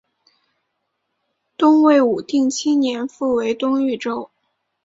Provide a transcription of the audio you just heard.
东魏武定七年复为东豫州。